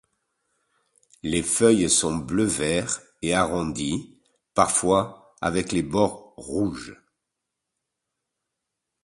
Les feuilles sont bleu-vert et arrondies, parfois avec les bords rouges.